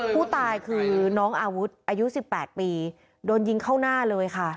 ผู้ตายคือน้องอาวุธอายุ๑๘ปีโดนยิงเข้าหน้าเลยค่ะ